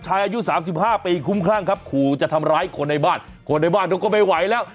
อายุสามสิบห้าปีคุ้มคลั่งครับขู่จะทำร้ายคนในบ้านคนในบ้านเขาก็ไม่ไหวแล้ว